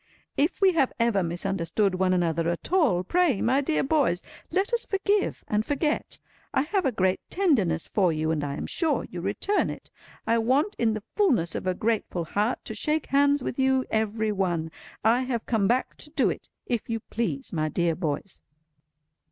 If we have ever misunderstood one another at all, pray, my dear boys, let us forgive and forget. I have a great tenderness for you, and I am sure you return it. I want in the fulness of a grateful heart to shake hands with you every one. I have come back to do it, if you please, my dear boys."